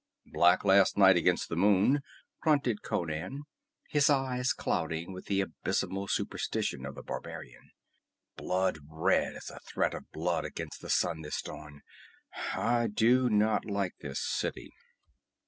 "Black last night against the moon," grunted Conan, his eyes clouding with the abysmal superstition of the barbarian. "Blood red as a threat of blood against the sun this dawn. I do not like this city."